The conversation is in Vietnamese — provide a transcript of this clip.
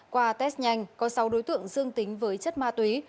qua test nhanh có sáu đối tượng dương tính với chất ma túy